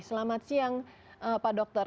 selamat siang pak dokter